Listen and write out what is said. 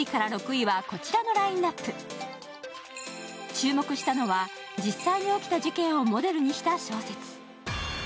注目したのは、実際に起きた事件をモデルにした小説。